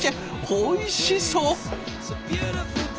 おいしそう！